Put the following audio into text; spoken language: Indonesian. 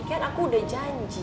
kan aku udah janji